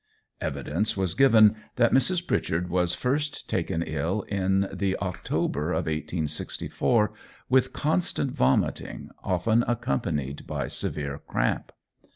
Evidence was given that Mrs. Pritchard was first taken ill in the October of 1864, with constant vomiting, often accompanied by severe cramp.